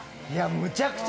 むちゃくちゃ。